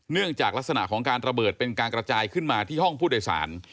เนื่องจากลักษณะของการระเบิดเป็นการกระจายขึ้นมาที่ห้องผู้โดยสาร